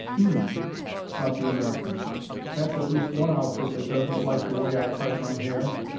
"Hum!" thought the American. "That's at least one outfit that doesn't like the way I part my hair.